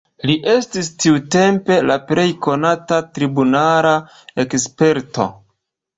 Li estis tiutempe la plej konata tribunala eksperto.